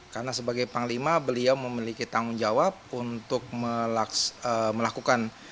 karena sebagai panglima beliau memiliki tanggung jawab untuk melakukan